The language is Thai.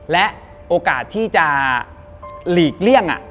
และโอกาสที่จะหลีกเลี่ยง